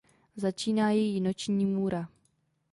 Začíná její noční můra.